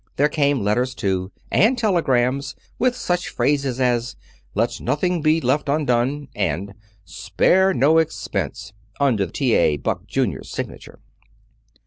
There came letters, too, and telegrams with such phrases as "let nothing be left undone" and "spare no expense" under T. A. Buck, Junior's, signature.